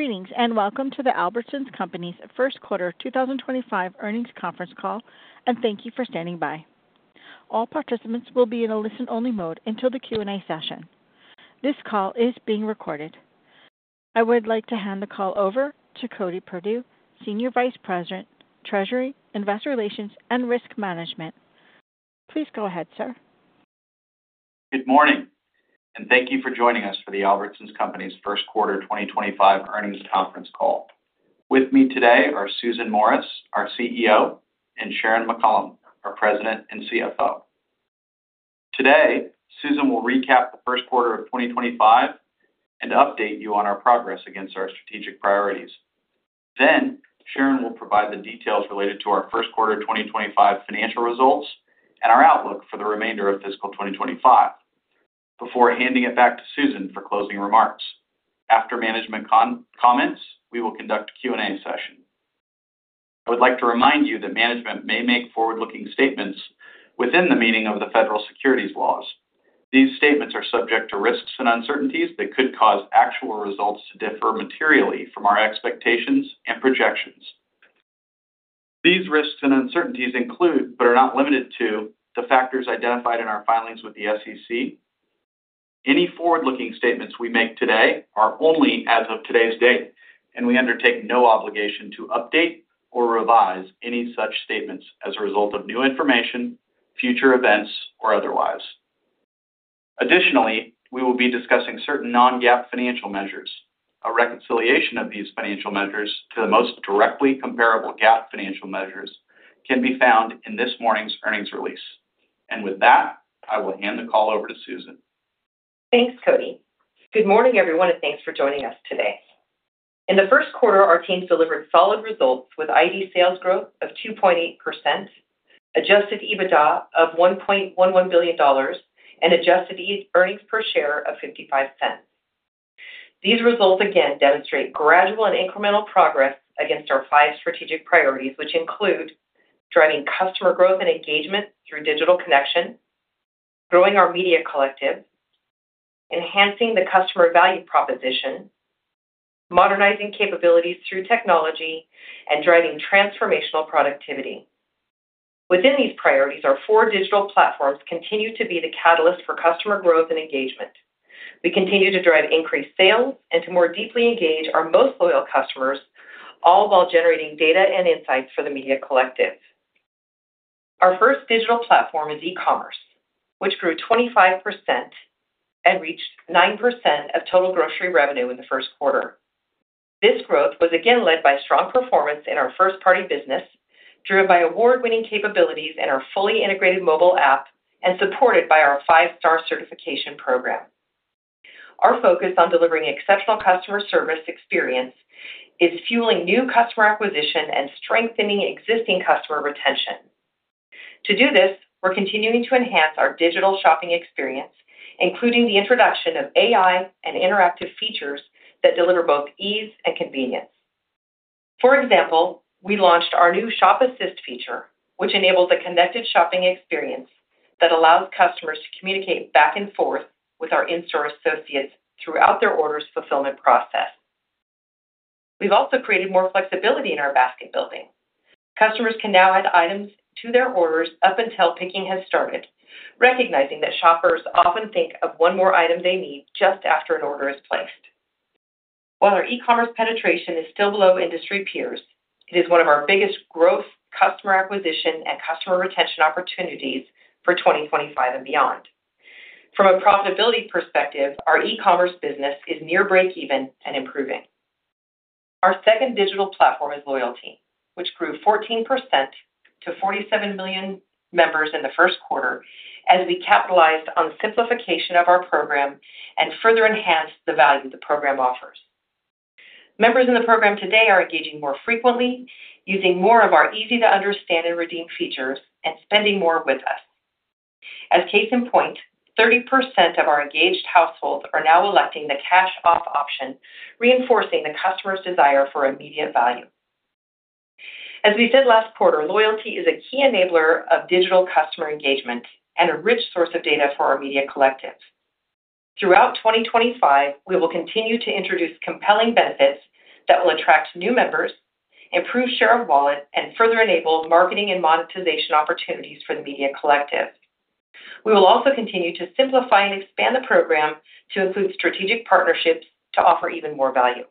Greetings and welcome to the Albertsons Companies First Quarter 2025 Earnings Conference call, and thank you for standing by. All participants will be in a listen-only mode until the Q&A session. This call is being recorded. I would like to hand the call over to Cody Perdue, Senior Vice President, Treasury, Investor Relations, and Risk Management. Please go ahead, sir. Good morning, and thank you for joining us for the Albertsons Companies First Quarter 2025 Earnings Conference call. With me today are Susan Morris, our CEO, and Sharon McCollam, our President and CFO. Today, Susan will recap the first quarter of 2025 and update you on our progress against our strategic priorities. Sharon will provide the details related to our first quarter 2025 financial results and our outlook for the remainder of fiscal 2025. Before handing it back to Susan for closing remarks, after management comments, we will conduct a Q&A session. I would like to remind you that management may make forward-looking statements within the meaning of the federal securities laws. These statements are subject to risks and uncertainties that could cause actual results to differ materially from our expectations and projections. These risks and uncertainties include, but are not limited to, the factors identified in our filings with the SEC. Any forward-looking statements we make today are only as of today's date, and we undertake no obligation to update or revise any such statements as a result of new information, future events, or otherwise. Additionally, we will be discussing certain non-GAAP financial measures. A reconciliation of these financial measures to the most directly comparable GAAP financial measures can be found in this morning's earnings release. With that, I will hand the call over to Susan. Thanks, Cody. Good morning, everyone, and thanks for joining us today. In the first quarter, our team delivered solid results with ID sales growth of 2.8%, adjusted EBITDA of $1.11 billion, and adjusted earnings per share of $0.55. These results, again, demonstrate gradual and incremental progress against our five strategic priorities, which include driving customer growth and engagement through digital connection, growing our Media Collective, enhancing the customer value proposition, modernizing capabilities through technology, and driving transformational productivity. Within these priorities, our four digital platforms continue to be the catalyst for customer growth and engagement. We continue to drive increased sales and to more deeply engage our most loyal customers, all while generating data and insights for the Media Collective. Our first digital platform is e-commerce, which grew 25% and reached 9% of total grocery revenue in the first quarter. This growth was again led by strong performance in our first-party business, driven by award-winning capabilities in our fully integrated mobile app, and supported by our five-star certification program. Our focus on delivering exceptional customer service experience is fueling new customer acquisition and strengthening existing customer retention. To do this, we're continuing to enhance our digital shopping experience, including the introduction of AI and interactive features that deliver both ease and convenience. For example, we launched our new ShopAssist feature, which enables a connected shopping experience that allows customers to communicate back and forth with our in-store associates throughout their orders' fulfillment process. We've also created more flexibility in our basket building. Customers can now add items to their orders up until picking has started, recognizing that shoppers often think of one more item they need just after an order is placed. While our e-commerce penetration is still below industry peers, it is one of our biggest growth, customer acquisition, and customer retention opportunities for 2025 and beyond. From a profitability perspective, our e-commerce business is near break-even and improving. Our second digital platform is loyalty, which grew 14% to 47 million members in the first quarter as we capitalized on the simplification of our program and further enhanced the value the program offers. Members in the program today are engaging more frequently, using more of our easy-to-understand and redeem features, and spending more with us. As a case in point, 30% of our engaged households are now electing the cash-off option, reinforcing the customer's desire for immediate value. As we said last quarter, loyalty is a key enabler of digital customer engagement and a rich source of data for our Media Collective. Throughout 2025, we will continue to introduce compelling benefits that will attract new members, improve share of wallet, and further enable marketing and monetization opportunities for the Media Collective. We will also continue to simplify and expand the program to include strategic partnerships to offer even more value.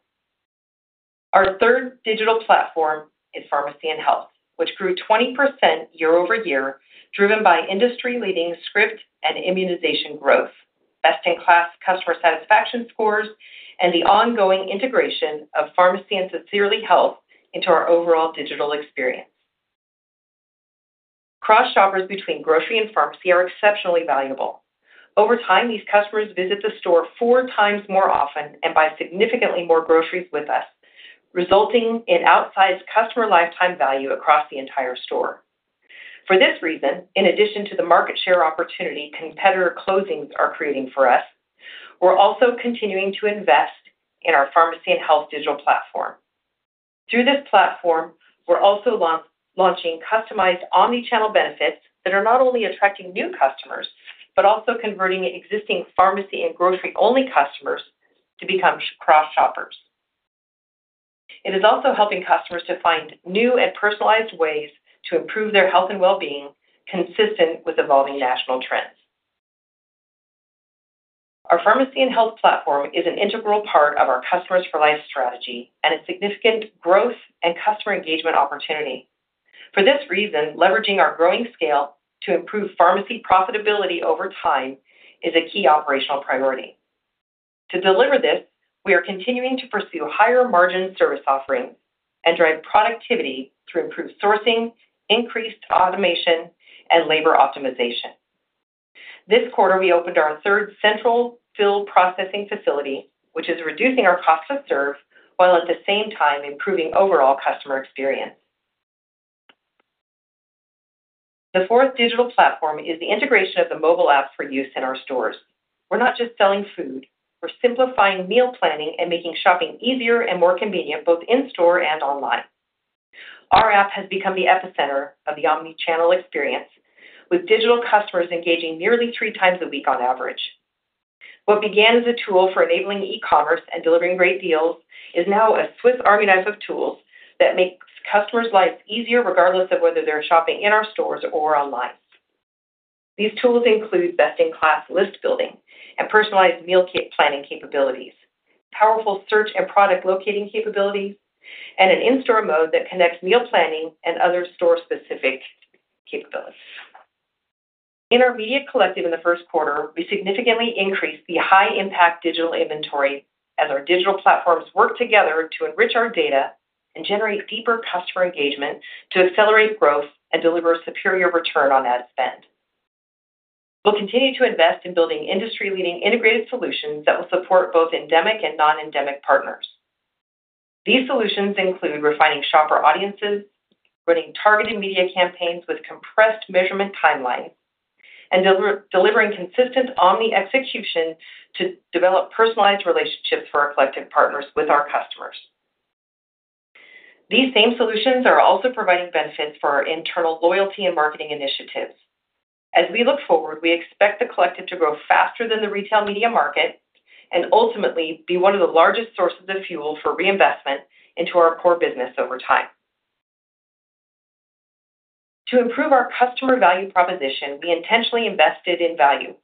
Our third digital platform is pharmacy and health, which grew 20% year over year, driven by industry-leading script and immunization growth, best-in-class customer satisfaction scores, and the ongoing integration of pharmacy and Sincerely Health into our overall digital experience. Cross-shoppers between grocery and pharmacy are exceptionally valuable. Over time, these customers visit the store four times more often and buy significantly more groceries with us, resulting in outsized customer lifetime value across the entire store. For this reason, in addition to the market share opportunity competitor closings are creating for us, we're also continuing to invest in our pharmacy and health digital platform. Through this platform, we're also launching customized omnichannel benefits that are not only attracting new customers but also converting existing pharmacy and grocery-only customers to become cross-shoppers. It is also helping customers to find new and personalized ways to improve their health and well-being, consistent with evolving national trends. Our pharmacy and health platform is an integral part of our customers-for-life strategy and a significant growth and customer engagement opportunity. For this reason, leveraging our growing scale to improve pharmacy profitability over time is a key operational priority. To deliver this, we are continuing to pursue higher-margin service offerings and drive productivity through improved sourcing, increased automation, and labor optimization. This quarter, we opened our third central fill processing facility, which is reducing our cost to serve while at the same time improving overall customer experience. The fourth digital platform is the integration of the mobile app for use in our stores. We're not just selling food; we're simplifying meal planning and making shopping easier and more convenient both in-store and online. Our app has become the epicenter of the omnichannel experience, with digital customers engaging nearly three times a week on average. What began as a tool for enabling e-commerce and delivering great deals is now a Swiss Army knife of tools that makes customers' lives easier regardless of whether they're shopping in our stores or online. These tools include best-in-class list building and personalized meal planning capabilities, powerful search and product locating capabilities, and an in-store mode that connects meal planning and other store-specific capabilities. In our Media Collective in the first quarter, we significantly increased the high-impact digital inventory as our digital platforms work together to enrich our data and generate deeper customer engagement to accelerate growth and deliver a superior return on ad spend. We will continue to invest in building industry-leading integrated solutions that will support both endemic and non-endemic partners. These solutions include refining shopper audiences, running targeted media campaigns with compressed measurement timelines, and delivering consistent omni-execution to develop personalized relationships for our collective partners with our customers. These same solutions are also providing benefits for our internal loyalty and marketing initiatives. As we look forward, we expect the collective to grow faster than the retail media market and ultimately be one of the largest sources of fuel for reinvestment into our core business over time. To improve our customer value proposition, we intentionally invested in value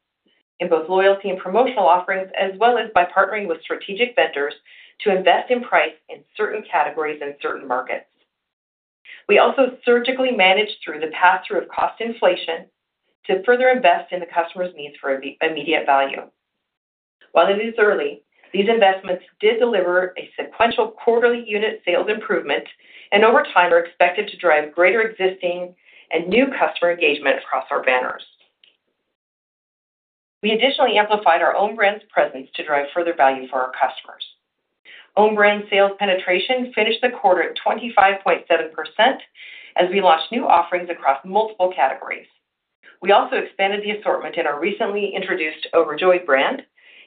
in both loyalty and promotional offerings, as well as by partnering with strategic vendors to invest in price in certain categories and certain markets. We also surgically managed through the pass-through of cost inflation to further invest in the customer's needs for immediate value. While it is early, these investments did deliver a sequential quarterly unit sales improvement, and over time, are expected to drive greater existing and new customer engagement across our banners. We additionally amplified our own brand's presence to drive further value for our customers. Own brand sales penetration finished the quarter at 25.7% as we launched new offerings across multiple categories. We also expanded the assortment in our recently introduced Overjoyed brand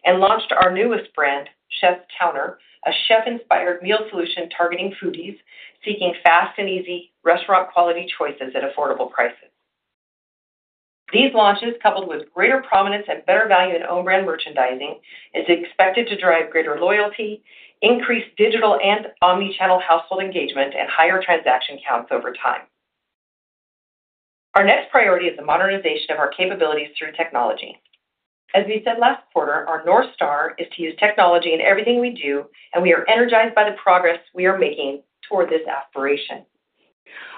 and launched our newest brand, Chef Counter, a chef-inspired meal solution targeting foodies seeking fast and easy restaurant-quality choices at affordable prices. These launches, coupled with greater prominence and better value in own-brand merchandising, are expected to drive greater loyalty, increased digital and omnichannel household engagement, and higher transaction counts over time. Our next priority is the modernization of our capabilities through technology. As we said last quarter, our North Star is to use technology in everything we do, and we are energized by the progress we are making toward this aspiration.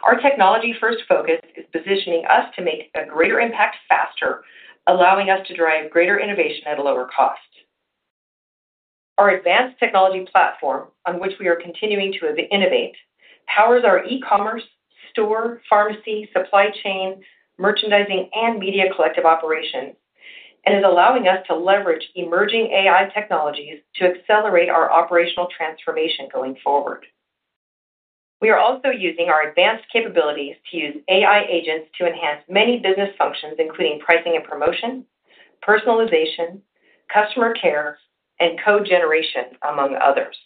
Our technology-first focus is positioning us to make a greater impact faster, allowing us to drive greater innovation at a lower cost. Our advanced technology platform, on which we are continuing to innovate, powers our e-commerce, store, pharmacy, supply chain, merchandising, and Media Collective operations and is allowing us to leverage emerging AI technologies to accelerate our operational transformation going forward. We are also using our advanced capabilities to use AI agents to enhance many business functions, including pricing and promotion, personalization, customer care, and code generation, among others.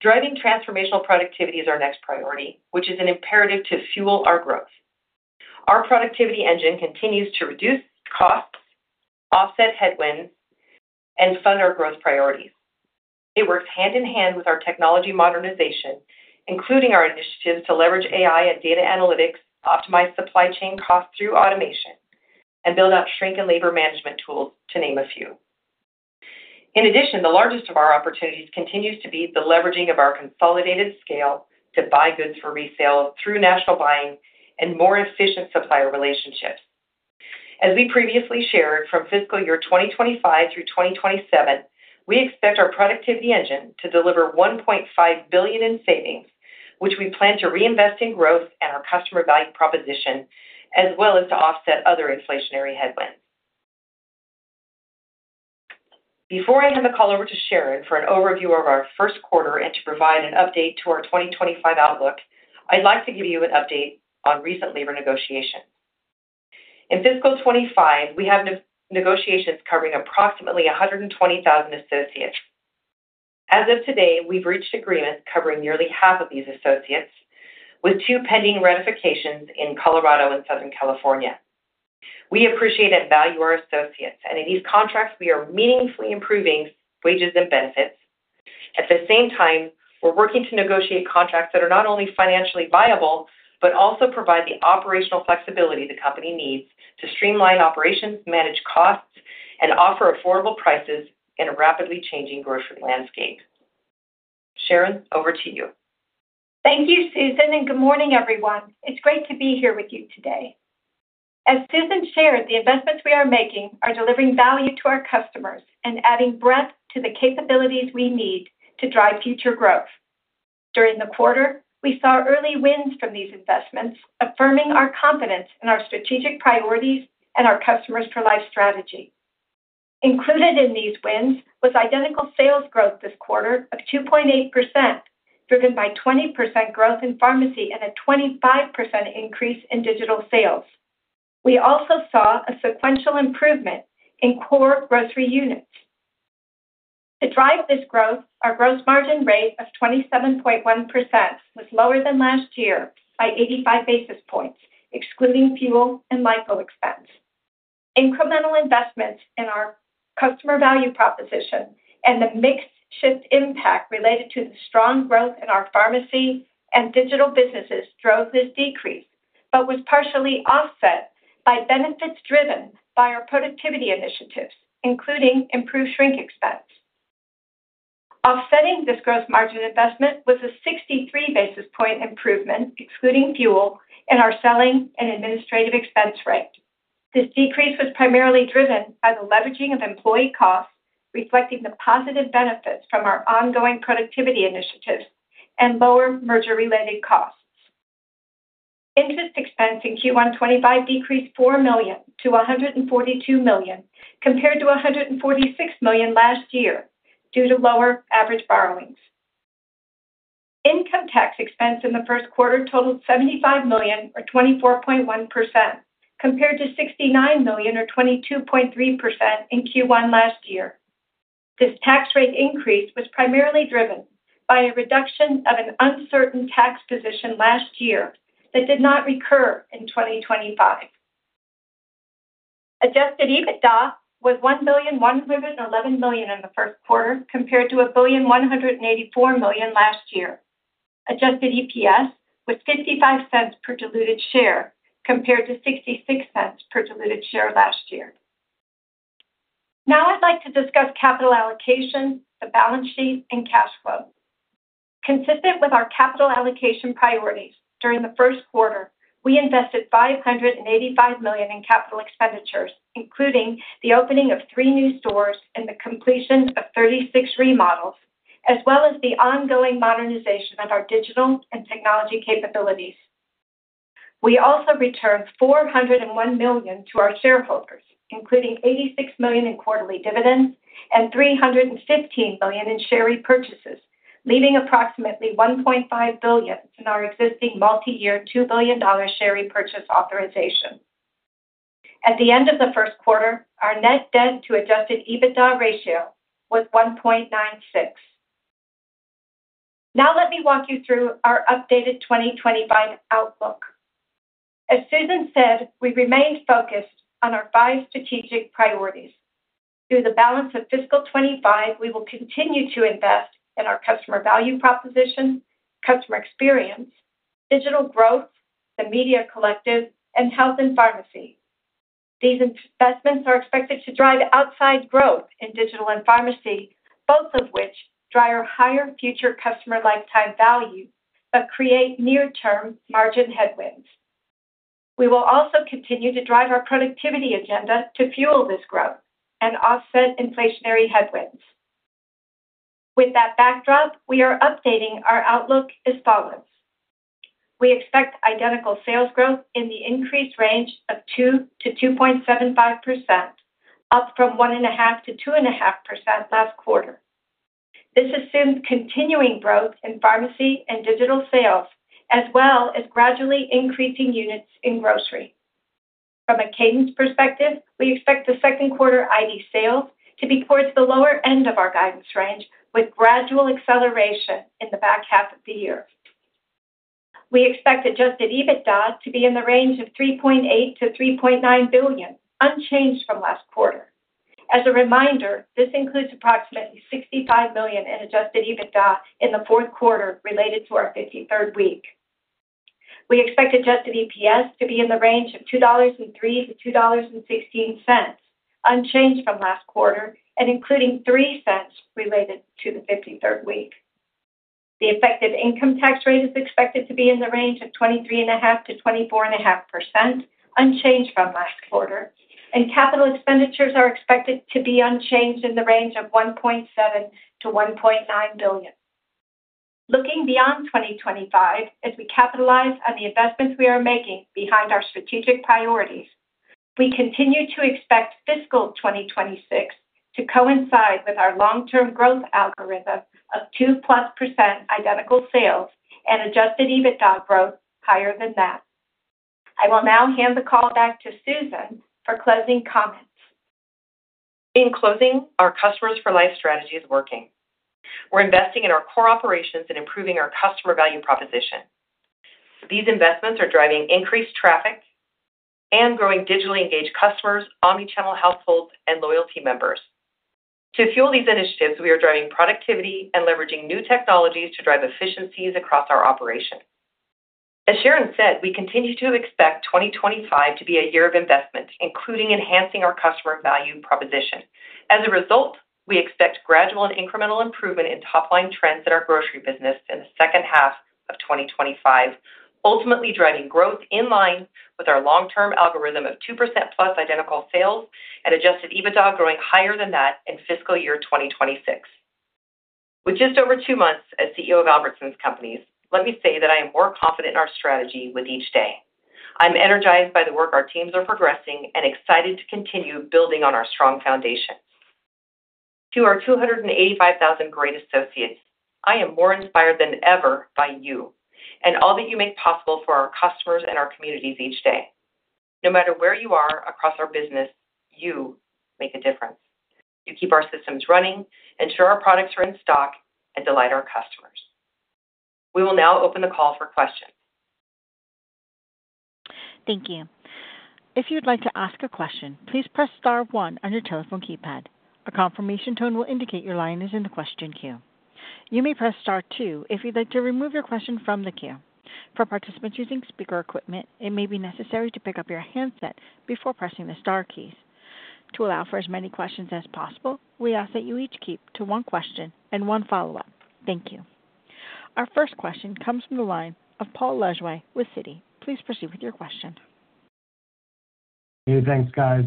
Driving transformational productivity is our next priority, which is an imperative to fuel our growth. Our productivity engine continues to reduce costs, offset headwinds, and fund our growth priorities. It works hand in hand with our technology modernization, including our initiatives to leverage AI and data analytics, optimize supply chain costs through automation, and build out shrink and labor management tools, to name a few. In addition, the largest of our opportunities continues to be the leveraging of our consolidated scale to buy goods for resale through national buying and more efficient supplier relationships. As we previously shared, from fiscal year 2025 through 2027, we expect our productivity engine to deliver $1.5 billion in savings, which we plan to reinvest in growth and our customer value proposition, as well as to offset other inflationary headwinds. Before I hand the call over to Sharon for an overview of our first quarter and to provide an update to our 2025 outlook, I'd like to give you an update on recent labor negotiations. In fiscal 2025, we have negotiations covering approximately 120,000 associates. As of today, we've reached agreement covering nearly half of these associates, with two pending ratifications in Colorado and Southern California. We appreciate and value our associates, and in these contracts, we are meaningfully improving wages and benefits. At the same time, we're working to negotiate contracts that are not only financially viable but also provide the operational flexibility the company needs to streamline operations, manage costs, and offer affordable prices in a rapidly changing grocery landscape. Sharon, over to you. Thank you, Susan, and good morning, everyone. It's great to be here with you today. As Susan shared, the investments we are making are delivering value to our customers and adding breadth to the capabilities we need to drive future growth. During the quarter, we saw early wins from these investments, affirming our confidence in our strategic priorities and our customers-for-life strategy. Included in these wins was identical sales growth this quarter of 2.8%, driven by 20% growth in pharmacy and a 25% increase in digital sales. We also saw a sequential improvement in core grocery units. To drive this growth, our gross margin rate of 27.1% was lower than last year by 85 basis points, excluding fuel and LIFO expense. Incremental investments in our customer value proposition and the mixed shift impact related to the strong growth in our pharmacy and digital businesses drove this decrease but was partially offset by benefits driven by our productivity initiatives, including improved shrink expense. Offsetting this gross margin investment was a 63 basis point improvement, excluding fuel, in our selling and administrative expense rate. This decrease was primarily driven by the leveraging of employee costs, reflecting the positive benefits from our ongoing productivity initiatives and lower merger-related costs. Interest expense in Q1 2025 decreased $4 million to $142 million, compared to $146 million last year due to lower average borrowings. Income tax expense in the first quarter totaled $75 million, or 24.1%, compared to $69 million, or 22.3%, in Q1 last year. This tax rate increase was primarily driven by a reduction of an uncertain tax position last year that did not recur in 2025. Adjusted EBITDA was $1,111 million in the first quarter, compared to $1,184 million last year. Adjusted EPS was $0.55 per diluted share, compared to $0.66 per diluted share last year. Now I'd like to discuss capital allocation, the balance sheet, and cash flow. Consistent with our capital allocation priorities, during the first quarter, we invested $585 million in capital expenditures, including the opening of three new stores and the completion of 36 remodels, as well as the ongoing modernization of our digital and technology capabilities. We also returned $401 million to our shareholders, including $86 million in quarterly dividends and $315 million in share repurchases, leaving approximately $1.5 billion in our existing multi-year $2 billion share repurchase authorization. At the end of the first quarter, our net debt-to-adjusted EBITDA ratio was 1.96. Now let me walk you through our updated 2025 outlook. As Susan said, we remained focused on our five strategic priorities. Through the balance of fiscal 2025, we will continue to invest in our customer value proposition, customer experience, digital growth, the Media Collective, and health and pharmacy. These investments are expected to drive outside growth in digital and pharmacy, both of which drive higher future customer lifetime value but create near-term margin headwinds. We will also continue to drive our productivity agenda to fuel this growth and offset inflationary headwinds. With that backdrop, we are updating our outlook as follows. We expect identical sales growth in the increased range of 2-2.75%. Up from 1.5-2.5% last quarter. This assumes continuing growth in pharmacy and digital sales, as well as gradually increasing units in grocery. From a cadence perspective, we expect the second quarter ID sales to be towards the lower end of our guidance range, with gradual acceleration in the back half of the year. We expect adjusted EBITDA to be in the range of $3.8 billion-$3.9 billion, unchanged from last quarter. As a reminder, this includes approximately $65 million in adjusted EBITDA in the fourth quarter related to our 53rd week. We expect adjusted EPS to be in the range of $2.03-$2.16, unchanged from last quarter, and including $0.03 related to the 53rd week. The effective income tax rate is expected to be in the range of 23.5%-24.5%, unchanged from last quarter, and capital expenditures are expected to be unchanged in the range of $1.7 billion-$1.9 billion. Looking beyond 2025, as we capitalize on the investments we are making behind our strategic priorities, we continue to expect fiscal 2026 to coincide with our long-term growth algorithm of 2% plus identical sales and adjusted EBITDA growth higher than that. I will now hand the call back to Susan for closing comments. In closing, our customers-for-life strategy is working. We're investing in our core operations and improving our customer value proposition. These investments are driving increased traffic. Growing digitally engaged customers, omnichannel households, and loyalty members. To fuel these initiatives, we are driving productivity and leveraging new technologies to drive efficiencies across our operation. As Sharon said, we continue to expect 2025 to be a year of investment, including enhancing our customer value proposition. As a result, we expect gradual and incremental improvement in top-line trends in our grocery business in the second half of 2025, ultimately driving growth in line with our long-term algorithm of 2% plus identical sales and adjusted EBITDA growing higher than that in fiscal year 2026. With just over two months as CEO of Albertsons Companies, let me say that I am more confident in our strategy with each day. I'm energized by the work our teams are progressing and excited to continue building on our strong foundation. To our 285,000 great associates, I am more inspired than ever by you and all that you make possible for our customers and our communities each day. No matter where you are across our business, you make a difference. You keep our systems running, ensure our products are in stock, and delight our customers. We will now open the call for questions. Thank you. If you'd like to ask a question, please press *1 on your telephone keypad. A confirmation tone will indicate your line is in the question queue. You may press *2 if you'd like to remove your question from the queue. For participants using speaker equipment, it may be necessary to pick up your handset before pressing the Star keys. To allow for as many questions as possible, we ask that you each keep to one question and one follow-up. Thank you. Our first question comes from the line of Paul Lejuez with Citi. Please proceed with your question. Thanks, guys.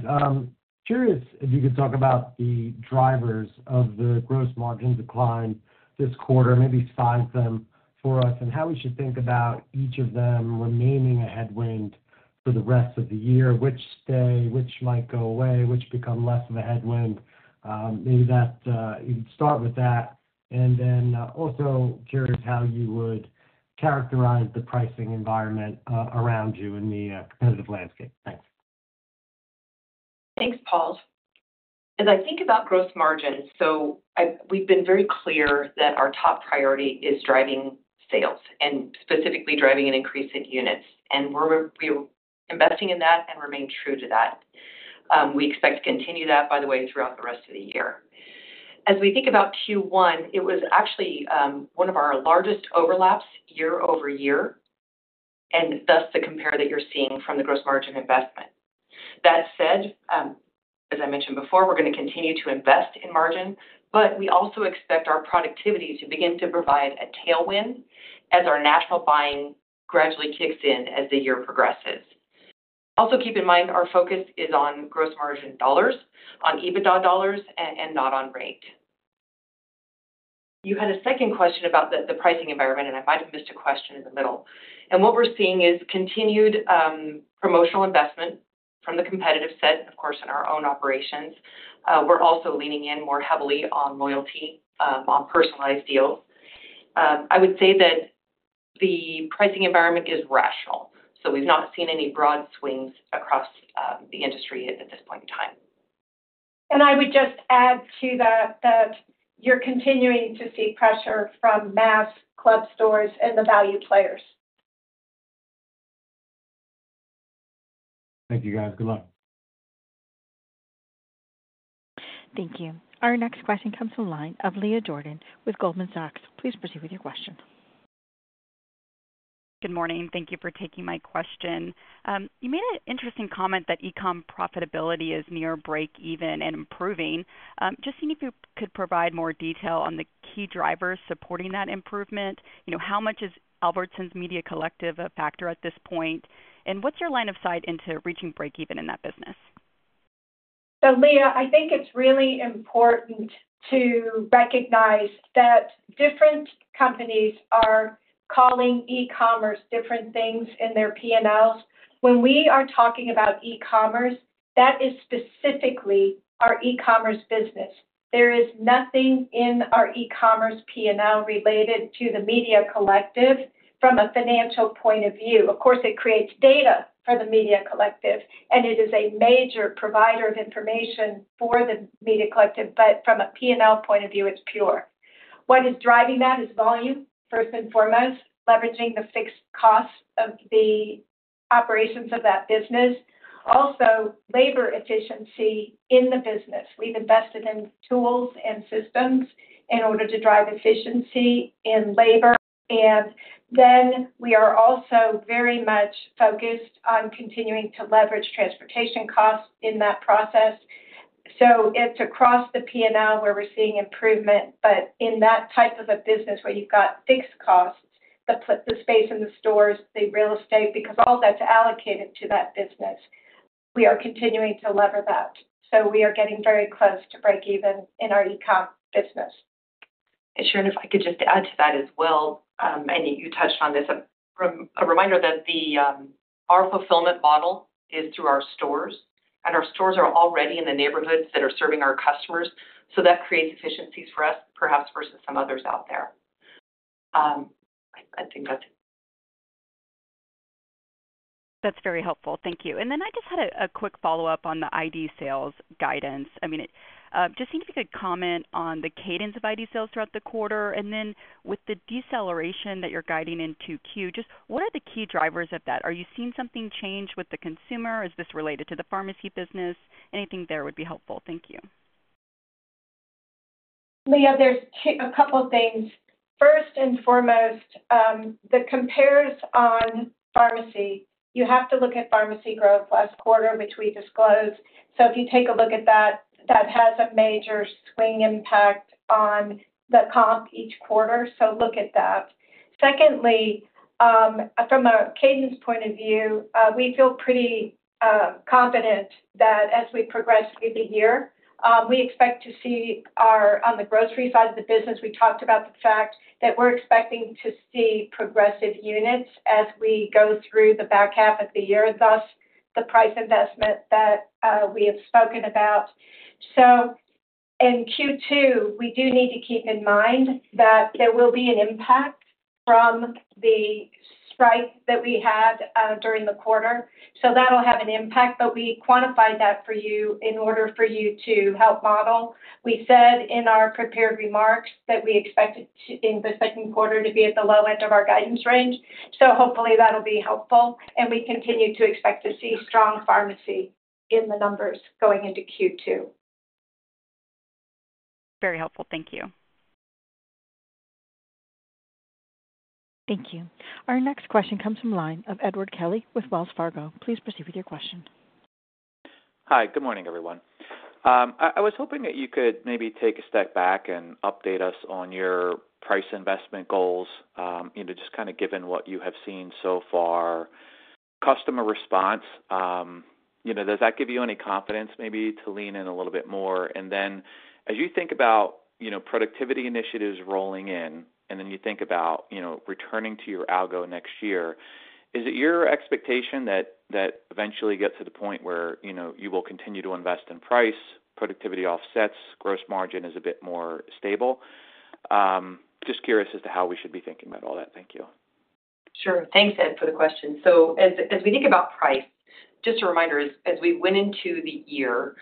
Curious if you could talk about the drivers of the gross margin decline this quarter, maybe five of them for us, and how we should think about each of them remaining a headwind for the rest of the year. Which stay, which might go away, which become less of a headwind. Maybe you could start with that. Also curious how you would characterize the pricing environment around you in the competitive landscape. Thanks. Thanks, Paul. As I think about gross margins, we've been very clear that our top priority is driving sales and specifically driving an increase in units. We're investing in that and remain true to that. We expect to continue that, by the way, throughout the rest of the year. As we think about Q1, it was actually one of our largest overlaps year over year, and thus, the compare that you're seeing from the gross margin investment. That said, as I mentioned before, we're going to continue to invest in margin, but we also expect our productivity to begin to provide a tailwind as our national buying gradually kicks in as the year progresses. Also keep in mind our focus is on gross margin dollars. On EBITDA dollars, and not on rate you had a second question about the pricing environment, and I might have missed a question in the middle. What we are seeing is continued promotional investment from the competitive set, of course, in our own operations. We are also leaning in more heavily on loyalty, on personalized deals. I would say that the pricing environment is rational. We have not seen any broad swings across the industry at this point in time. I would just add to that that you're continuing to see pressure from mass club stores and the value players. Thank you, guys. Good luck. Thank you. Our next question comes from Leah Jordan with Goldman Sachs. Please proceed with your question. Good morning. Thank you for taking my question. You made an interesting comment that e-comm profitability is near break-even and improving. Just seeing if you could provide more detail on the key drivers supporting that improvement. How much is Albertsons Media Collective a factor at this point? What is your line of sight into reaching break-even in that business? Leah, I think it's really important to recognize that different companies are calling e-commerce different things in their P&Ls. When we are talking about e-commerce, that is specifically our e-commerce business. There is nothing in our e-commerce P&L related to the Media Collective from a financial point of view. Of course, it creates data for the Media Collective, and it is a major provider of information for the Media Collective, but from a P&L point of view, it's pure. What is driving that is volume, first and foremost, leveraging the fixed costs of the operations of that business. Also, labor efficiency in the business. We've invested in tools and systems in order to drive efficiency in labor. We are also very much focused on continuing to leverage transportation costs in that process. It is across the P&L where we're seeing improvement, but in that type of a business where you've got fixed costs, the space in the stores, the real estate, because all that's allocated to that business. We are continuing to lever that. We are getting very close to break-even in our e-comm business. Sharon, if I could just add to that as well, and you touched on this, a reminder that our fulfillment model is through our stores, and our stores are already in the neighborhoods that are serving our customers. That creates efficiencies for us, perhaps versus some others out there. I think that's it. That's very helpful. Thank you. I just had a quick follow-up on the ID sales guidance. I mean, just seeing if you could comment on the cadence of ID sales throughout the quarter. With the deceleration that you're guiding into Q2, just what are the key drivers of that? Are you seeing something change with the consumer? Is this related to the pharmacy business? Anything there would be helpful. Thank you. Leah, there's a couple of things. First and foremost, the compares on pharmacy, you have to look at pharmacy growth last quarter, which we disclosed. If you take a look at that, that has a major swing impact on the comp each quarter, so look at that. Secondly, from a cadence point of view, we feel pretty confident that as we progress through the year, we expect to see our, on the grocery side of the business, we talked about the fact that we're expecting to see progressive units as we go through the back half of the year, thus the price investment that we have spoken about. In Q2, we do need to keep in mind that there will be an impact from the strike that we had during the quarter. That'll have an impact, but we quantified that for you in order for you to help model. We said in our prepared remarks that we expected in the second quarter to be at the low end of our guidance range. Hopefully that'll be helpful. We continue to expect to see strong pharmacy in the numbers going into Q2. Very helpful. Thank you. Thank you. Our next question comes from Edward Kelly with Wells Fargo. Please proceed with your question. Hi, good morning, everyone. I was hoping that you could maybe take a step back and update us on your price investment goals, just kind of given what you have seen so far. Customer response. Does that give you any confidence maybe to lean in a little bit more? As you think about productivity initiatives rolling in, and then you think about returning to your algo next year, is it your expectation that eventually you get to the point where you will continue to invest in price, productivity offsets, gross margin is a bit more stable? Just curious as to how we should be thinking about all that. Thank you. Sure. Thanks, Ed, for the question. As we think about price, just a reminder, as we went into the year,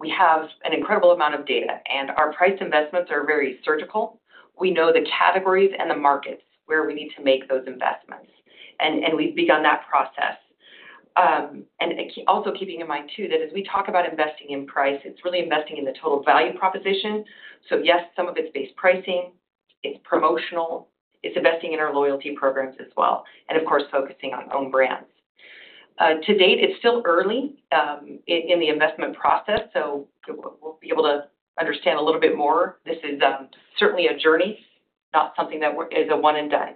we have an incredible amount of data, and our price investments are very surgical. We know the categories and the markets where we need to make those investments. We have begun that process. Also keeping in mind too that as we talk about investing in price, it is really investing in the total value proposition. Yes, some of it is based pricing, it is promotional, it is investing in our loyalty programs as well, and of course, focusing on own brands. To date, it is still early in the investment process, so we will be able to understand a little bit more. This is certainly a journey, not something that is a one-and-done.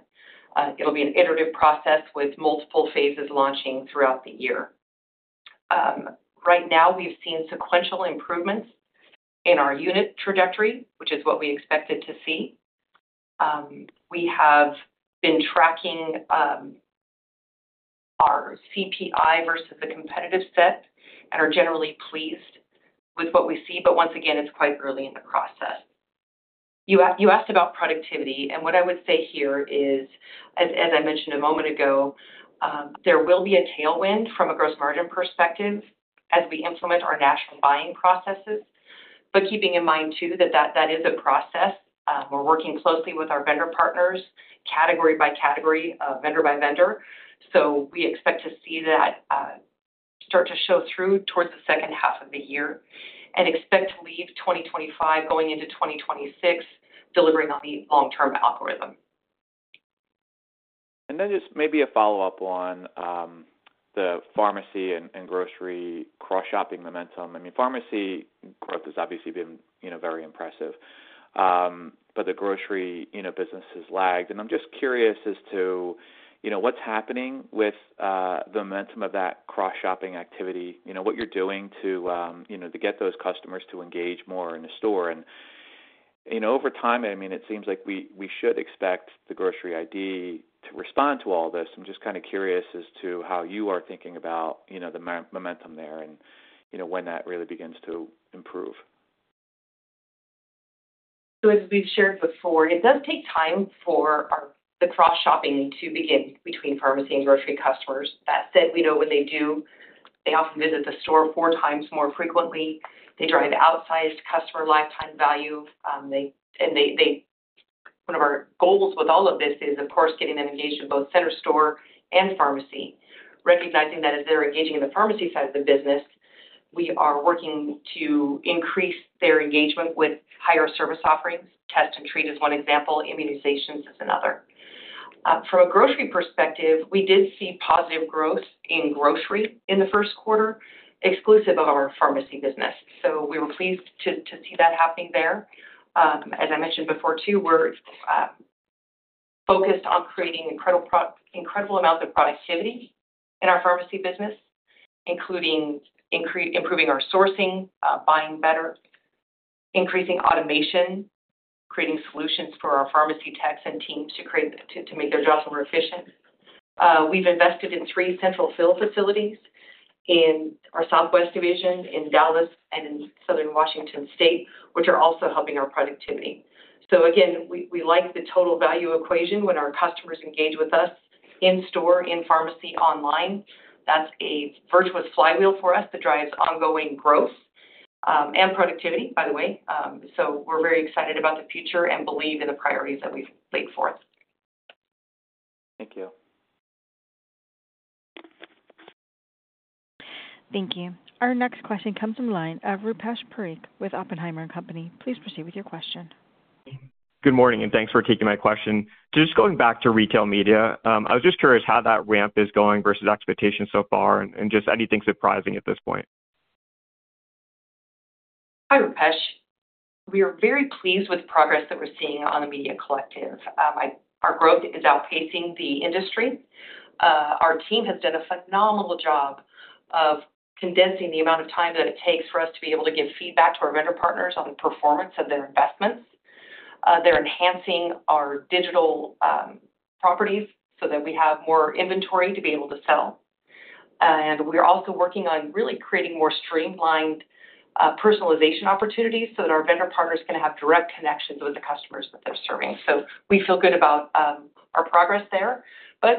It will be an iterative process with multiple phases launching throughout the year. Right now, we've seen sequential improvements in our unit trajectory, which is what we expected to see. We have been tracking our CPI versus the competitive set and are generally pleased with what we see, but once again, it's quite early in the process. You asked about productivity, and what I would say here is, as I mentioned a moment ago, there will be a tailwind from a gross margin perspective as we implement our national buying processes. Keeping in mind too that that is a process, we're working closely with our vendor partners, category by category, vendor by vendor. We expect to see that start to show through towards the second half of the year and expect to leave 2025 going into 2026, delivering on the long-term algorithm. Just maybe a follow-up on the pharmacy and grocery cross-shopping momentum. I mean, pharmacy growth has obviously been very impressive. The grocery business has lagged. I'm just curious as to what's happening with the momentum of that cross-shopping activity, what you're doing to get those customers to engage more in the store. Over time, I mean, it seems like we should expect the grocery ID to respond to all this. I'm just kind of curious as to how you are thinking about the momentum there and when that really begins to improve. As we've shared before, it does take time for the cross-shopping to begin between pharmacy and grocery customers. That said, we know when they do, they often visit the store four times more frequently. They drive outsized customer lifetime value. One of our goals with all of this is, of course, getting them engaged in both center store and pharmacy, recognizing that as they're engaging in the pharmacy side of the business, we are working to increase their engagement with higher service offerings. Test and treat is one example. Immunizations is another. From a grocery perspective, we did see positive growth in grocery in the first quarter, exclusive of our pharmacy business. We were pleased to see that happening there. As I mentioned before too, we're focused on creating incredible amounts of productivity in our pharmacy business. Including improving our sourcing, buying better, increasing automation, creating solutions for our pharmacy techs and teams to make their jobs more efficient. We've invested in three central fill facilities in our Southwest division in Dallas and in Southern Washington State, which are also helping our productivity. We like the total value equation when our customers engage with us in store, in pharmacy, online. That's a virtuous flywheel for us that drives ongoing growth and productivity, by the way. We're very excited about the future and believe in the priorities that we've laid forth. Thank you. Thank you. Our next question comes from Rupesh Parikh with Oppenheimer and Company. Please proceed with your question. Good morning, and thanks for taking my question. Just going back to retail media, I was just curious how that ramp is going versus expectations so far and just anything surprising at this point. Hi, Rupesh. We are very pleased with the progress that we're seeing on the Media Collective. Our growth is outpacing the industry. Our team has done a phenomenal job of condensing the amount of time that it takes for us to be able to give feedback to our vendor partners on the performance of their investments. They're enhancing our digital properties so that we have more inventory to be able to sell. We are also working on really creating more streamlined personalization opportunities so that our vendor partners can have direct connections with the customers that they're serving. We feel good about our progress there.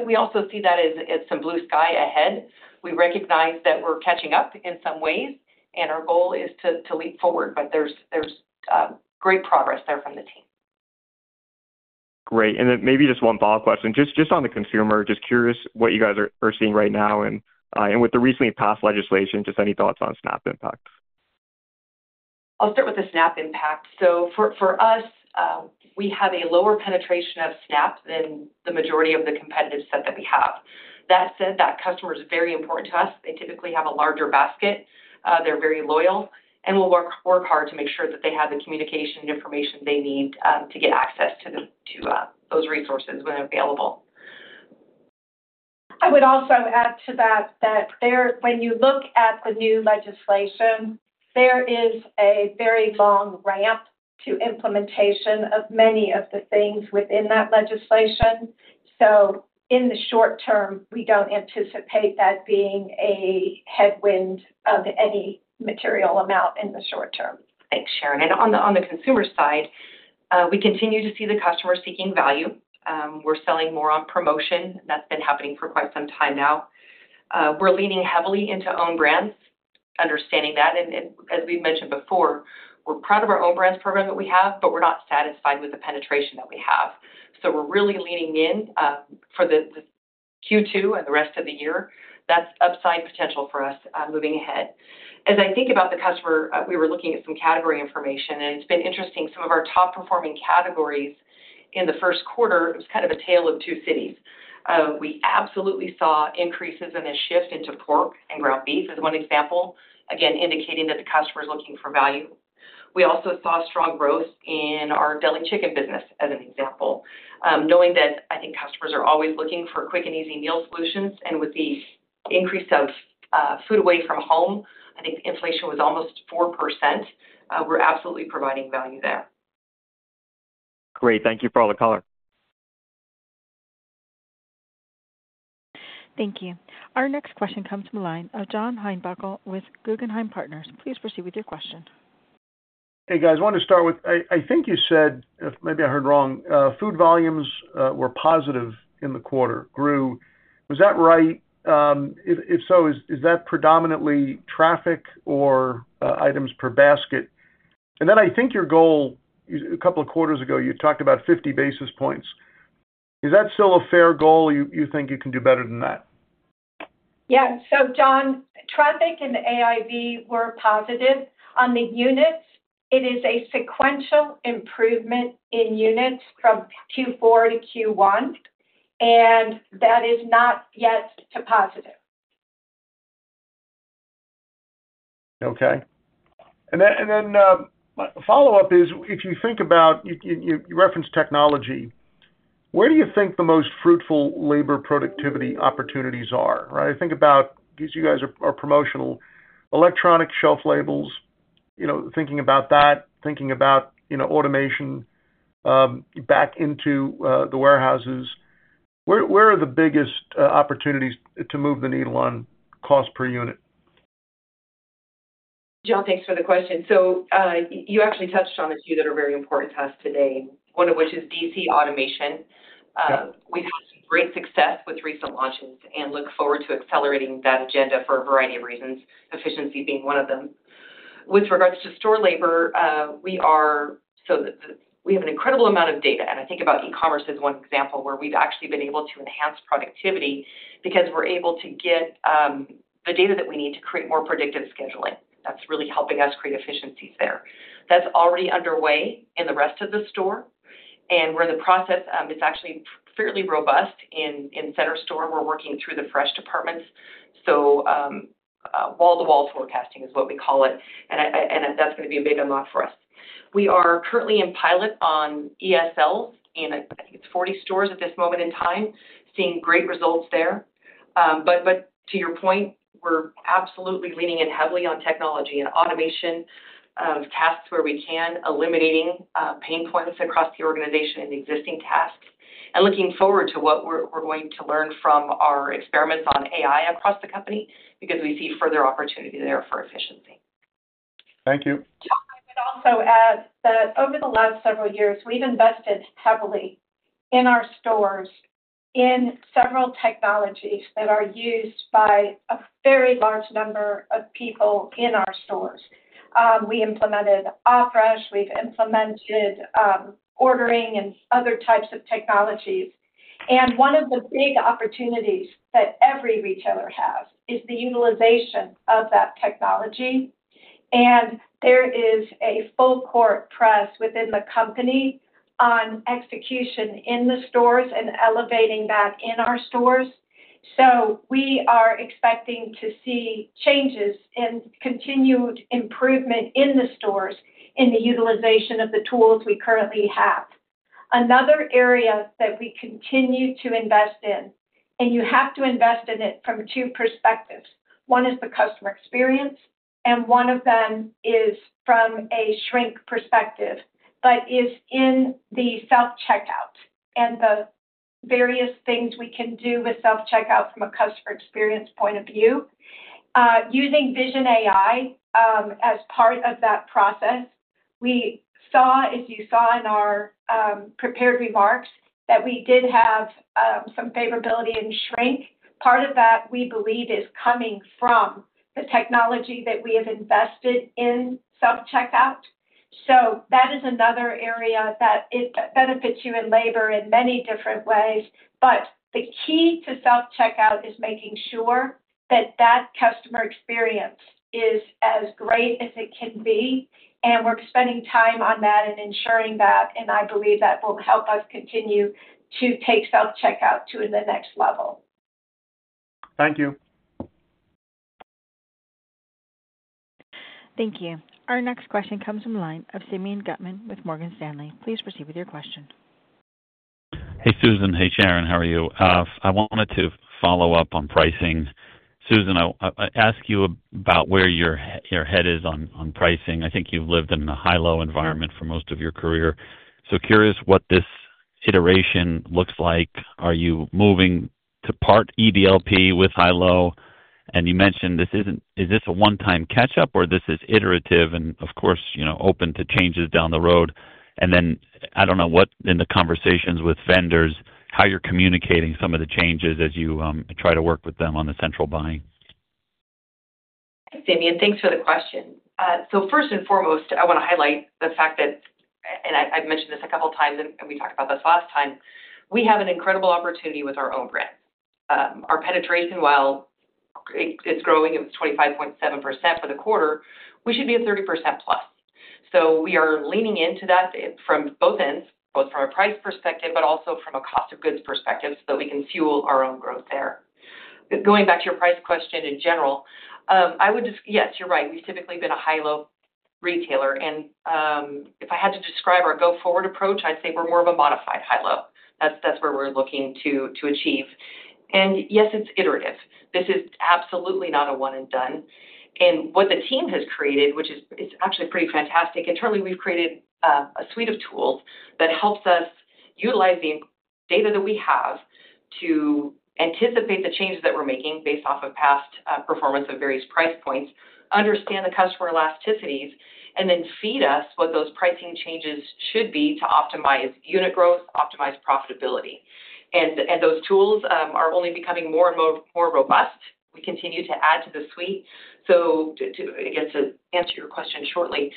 We also see that as some blue sky ahead. We recognize that we're catching up in some ways, and our goal is to leap forward. There is great progress there from the team. Great. Maybe just one follow-up question. Just on the consumer, just curious what you guys are seeing right now and with the recently passed legislation, just any thoughts on SNAP impact? I'll start with the SNAP impact. For us, we have a lower penetration of SNAP than the majority of the competitive set that we have. That said, that customer is very important to us. They typically have a larger basket. They're very loyal. We will work hard to make sure that they have the communication and information they need to get access to those resources when available. I would also add to that that when you look at the new legislation, there is a very long ramp to implementation of many of the things within that legislation. In the short term, we do not anticipate that being a headwind of any material amount in the short term. Thanks, Sharon. On the consumer side, we continue to see the customer seeking value. We're selling more on promotion. That's been happening for quite some time now. We're leaning heavily into own brands, understanding that. As we've mentioned before, we're proud of our own brands program that we have, but we're not satisfied with the penetration that we have. We're really leaning in for the Q2 and the rest of the year. That's upside potential for us moving ahead. As I think about the customer, we were looking at some category information, and it's been interesting. Some of our top-performing categories in the first quarter, it was kind of a tale of two cities. We absolutely saw increases in a shift into pork and ground beef as one example, again, indicating that the customer is looking for value. We also saw strong growth in our deli chicken business as an example. Knowing that I think customers are always looking for quick and easy meal solutions, and with the increase of food away from home, I think the inflation was almost 4%, we're absolutely providing value there. Great. Thank you for all the color. Thank you. Our next question comes from the line of John Heinbockel with Guggenheim Partners. Please proceed with your question. Hey, guys. I wanted to start with, I think you said, if maybe I heard wrong, food volumes were positive in the quarter, grew. Was that right? If so, is that predominantly traffic or items per basket? And then I think your goal, a couple of quarters ago, you talked about 50 basis points. Is that still a fair goal? You think you can do better than that? John, traffic and AIV were positive. On the units, it is a sequential improvement in units from Q4 to Q1. That is not yet to positive. Okay. And then a follow-up is, if you think about, you referenced technology, where do you think the most fruitful labor productivity opportunities are? I think about, because you guys are promotional, electronic shelf labels, thinking about that, thinking about automation, back into the warehouses. Where are the biggest opportunities to move the needle on cost per unit? John, thanks for the question. You actually touched on a few that are very important to us today, one of which is DC automation. We've had some great success with recent launches and look forward to accelerating that agenda for a variety of reasons, efficiency being one of them. With regards to store labor, we are. We have an incredible amount of data. I think about e-commerce as one example where we've actually been able to enhance productivity because we're able to get the data that we need to create more predictive scheduling. That's really helping us create efficiencies there. That's already underway in the rest of the store. We're in the process. It's actually fairly robust in center store. We're working through the fresh departments. Wall-to-wall forecasting is what we call it. That's going to be a big unlock for us. We are currently in pilot on ESLs in, I think it's 40 stores at this moment in time, seeing great results there. To your point, we're absolutely leaning in heavily on technology and automation of tasks where we can, eliminating pain points across the organization and existing tasks. Looking forward to what we're going to learn from our experiments on AI across the company because we see further opportunity there for efficiency. Thank you. John, I would also add that over the last several years, we've invested heavily in our stores in several technologies that are used by a very large number of people in our stores. We implemented OpFresh. We've implemented ordering and other types of technologies. One of the big opportunities that every retailer has is the utilization of that technology. There is a full-court press within the company on execution in the stores and elevating that in our stores. We are expecting to see changes and continued improvement in the stores in the utilization of the tools we currently have. Another area that we continue to invest in, and you have to invest in it from two perspectives. One is the customer experience, and one of them is from a shrink perspective, but is in the self-checkout and the various things we can do with self-checkout from a customer experience point of view. Using Vision AI as part of that process. We saw, as you saw in our prepared remarks, that we did have some favorability in shrink. Part of that, we believe, is coming from the technology that we have invested in self-checkout. That is another area that benefits you in labor in many different ways. The key to self-checkout is making sure that that customer experience is as great as it can be. We are spending time on that and ensuring that. I believe that will help us continue to take self-checkout to the next level. Thank you. Thank you. Our next question comes from Simeon Gutman with Morgan Stanley. Please proceed with your question. Hey, Susan. Hey, Sharon. How are you? I wanted to follow up on pricing. Susan, I ask you about where your head is on pricing. I think you've lived in the HiLo environment for most of your career. Curious what this iteration looks like. Are you moving to part EDLP with HiLo? You mentioned this isn't—is this a one-time catch-up or this is iterative and, of course, open to changes down the road? I don't know what in the conversations with vendors, how you're communicating some of the changes as you try to work with them on the central buying. Thanks, Simeon. Thanks for the question. First and foremost, I want to highlight the fact that, and I've mentioned this a couple of times, and we talked about this last time, we have an incredible opportunity with our own brand. Our penetration, while it's growing at 25.7% for the quarter, we should be at 30% plus. We are leaning into that from both ends, both from a price perspective, but also from a cost of goods perspective so that we can fuel our own growth there. Going back to your price question in general, I would just, yes, you're right. We've typically been a HiLo retailer. If I had to describe our go-forward approach, I'd say we're more of a modified HiLo. That's where we're looking to achieve. Yes, it's iterative. This is absolutely not a one-and-done. What the team has created, which is actually pretty fantastic, internally, we've created a suite of tools that helps us utilize the data that we have to anticipate the changes that we're making based off of past performance of various price points, understand the customer elasticities, and then feed us what those pricing changes should be to optimize unit growth, optimize profitability. Those tools are only becoming more and more robust. We continue to add to the suite. To answer your question shortly,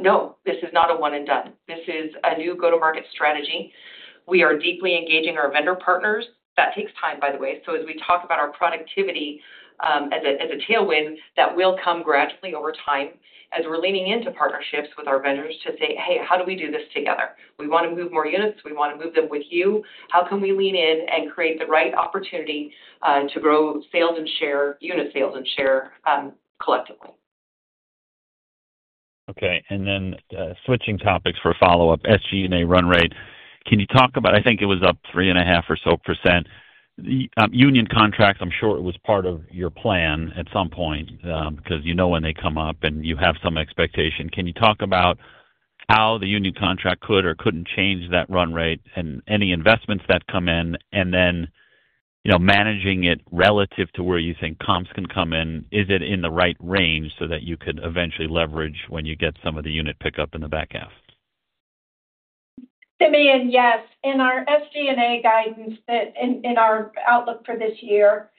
no, this is not a one-and-done. This is a new go-to-market strategy. We are deeply engaging our vendor partners. That takes time, by the way. As we talk about our productivity as a tailwind, that will come gradually over time as we're leaning into partnerships with our vendors to say, "Hey, how do we do this together? We want to move more units. We want to move them with you. How can we lean in and create the right opportunity to grow sales and share, unit sales and share collectively? Okay. Then switching topics for a follow-up, SG&A run rate. Can you talk about—I think it was up 3.5% or so. Union contracts, I'm sure it was part of your plan at some point because you know when they come up and you have some expectation. Can you talk about how the union contract could or could not change that run rate and any investments that come in, and then managing it relative to where you think comps can come in? Is it in the right range so that you could eventually leverage when you get some of the unit pickup in the back half? Simeon, yes. In our SG&A guidance, in our outlook for this year,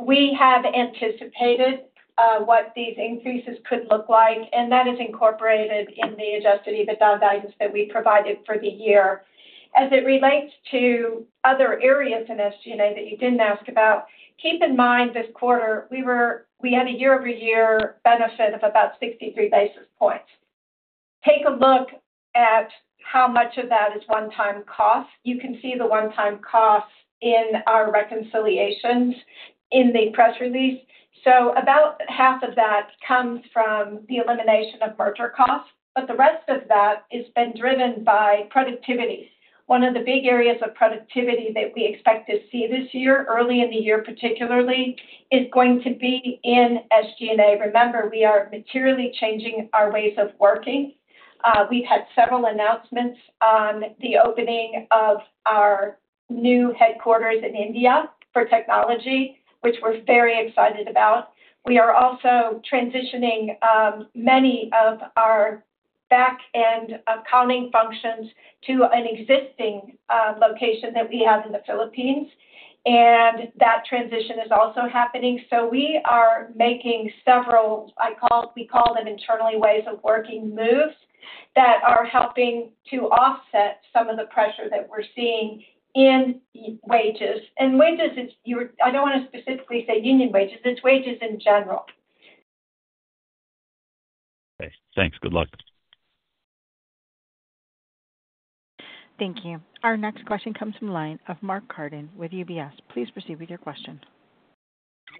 we have anticipated what these increases could look like. That is incorporated in the adjusted EBITDA guidance that we provided for the year. As it relates to other areas in SG&A that you did not ask about, keep in mind this quarter, we had a year-over-year benefit of about 63 basis points. Take a look at how much of that is one-time cost. You can see the one-time cost in our reconciliations in the press release. About half of that comes from the elimination of merger costs. The rest of that has been driven by productivity. One of the big areas of productivity that we expect to see this year, early in the year particularly, is going to be in SG&A. Remember, we are materially changing our ways of working. We've had several announcements on the opening of our new headquarters in India for technology, which we're very excited about. We are also transitioning many of our back-end accounting functions to an existing location that we have in the Philippines. That transition is also happening. We are making several, we call them internally, ways of working moves that are helping to offset some of the pressure that we're seeing in wages. Wages, I don't want to specifically say union wages. It's wages in general. Okay. Thanks. Good luck. Thank you. Our next question comes from Mark Carden with UBS. Please proceed with your question.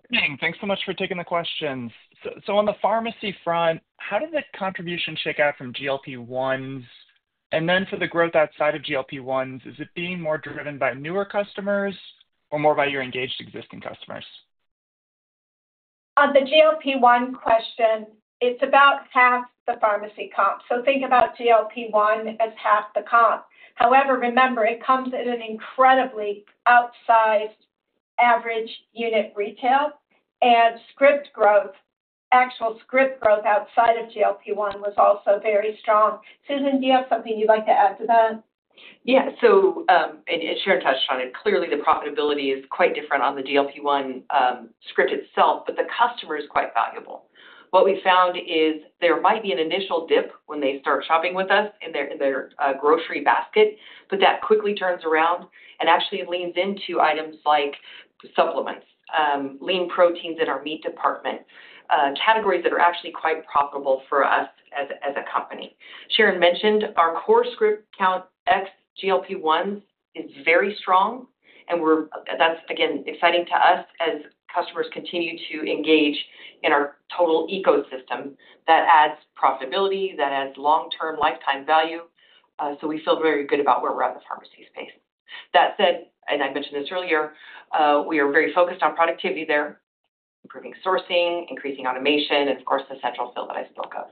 Good evening. Thanks so much for taking the questions. On the pharmacy front, how did the contribution shake out from GLP-1s? For the growth outside of GLP-1s, is it being more driven by newer customers or more by your engaged existing customers? On the GLP-1 question, it's about half the pharmacy comp. So think about GLP-1 as half the comp. However, remember, it comes at an incredibly outsized average unit retail. And script growth, actual script growth outside of GLP-1 was also very strong. Susan, do you have something you'd like to add to that? Sharon touched on it. Clearly, the profitability is quite different on the GLP-1 script itself, but the customer is quite valuable. What we found is there might be an initial dip when they start shopping with us in their grocery basket, but that quickly turns around and actually leans into items like supplements, lean proteins in our meat department, categories that are actually quite profitable for us as a company. Sharon mentioned our core script count ex-GLP-1s is very strong. That is, again, exciting to us as customers continue to engage in our total ecosystem. That adds profitability. That adds long-term lifetime value. We feel very good about where we are at in the pharmacy space. That said, I mentioned this earlier, we are very focused on productivity there, improving sourcing, increasing automation, and of course, the central sale that I spoke of.